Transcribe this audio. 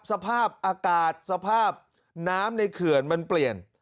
สภาพอากาศสภาพน้ำในเขื่อนมันเปลี่ยน